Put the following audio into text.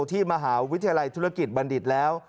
ที่มหาวิทยาลัยธุรกิจบัณฑิตแล้ว